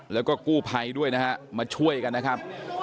แล้วก็กู้ภัยด้วยนะฮะมาช่วยกันนะครับ